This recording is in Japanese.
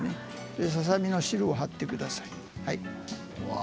ささ身の汁を張ってください。